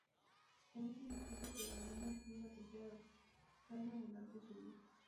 En este distrito predomina el clima templado: caen abundantes lluvias.